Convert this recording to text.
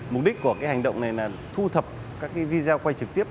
mục đích của hành động này là thu thập các video quay trực tiếp